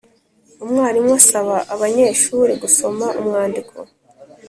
Umwarimu asaba abanyeshuri gusoma umwandiko